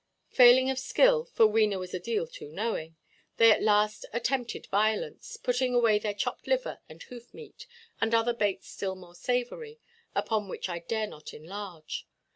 Failing of skill—for Wena was a deal too knowing—they at last attempted violence, putting away their chopped liver and hoof–meat, and other baits still more savoury, upon which I dare not enlarge.